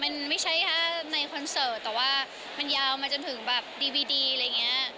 มันไม่ใช่แค่ในคอนเสิร์ตแต่ว่ามันยาวมาจนถึงแบบดีวีดีอะไรอย่างนี้